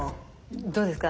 どうですか？